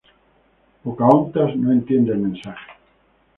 Pocahontas no entiende el mensaje.